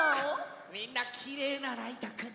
みんなきれいなライトくん。